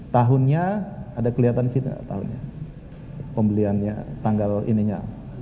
tahunya ada kelihatan di situ tahunnya pembeliannya tanggal ininya